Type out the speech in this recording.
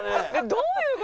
どういう事？